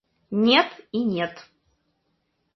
Нет и нет!